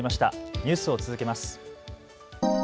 ニュースを続けます。